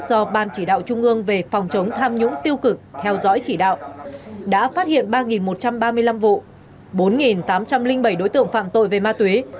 do ban chỉ đạo trung ương về phòng chống tham nhũng tiêu cực theo dõi chỉ đạo đã phát hiện ba một trăm ba mươi năm vụ bốn tám trăm linh bảy đối tượng phạm tội về ma túy